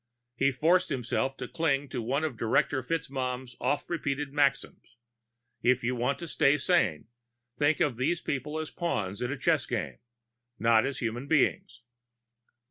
He forced himself to cling to one of Director FitzMaugham's oft repeated maxims, _If you want to stay sane, think of these people as pawns in a chess game not as human beings.